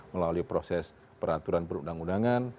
melalui proses peraturan perundang undangan